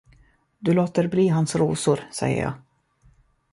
Du låter bli hans rosor, säger jag!